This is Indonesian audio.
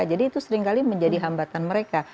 jadi itu seringkali menjadi hambatan mereka